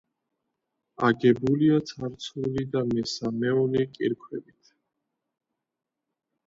აგებულია ცარცული და მესამეული კირქვებით.